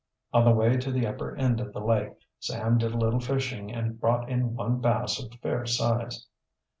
On the way to the upper end of the lake Sam did a little fishing and brought in one bass of fair size.